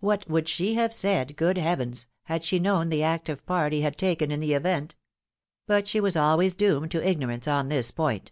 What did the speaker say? What would she have said, good heavens! had she known the active part he had taken in the event? But she was always doomed to ignorance on this point.